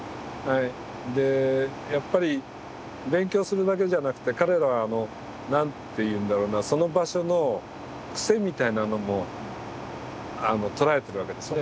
でやっぱり勉強するだけじゃなくて彼らは何ていうんだろうなその場所のクセみたいなのも捉えてるわけですね。